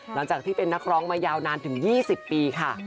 หลังจากที่เป็นนักร้องมายาวนานถึง๒๐ปีค่ะ